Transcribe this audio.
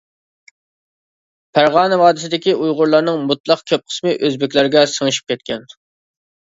پەرغانە ۋادىسىدىكى ئۇيغۇرلارنىڭ مۇتلەق كۆپ قىسمى ئۆزبېكلەرگە سىڭىشىپ كەتكەن.